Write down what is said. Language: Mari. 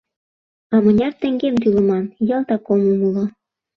А мыняр теҥгем тӱлыман — ялтак ом умыло.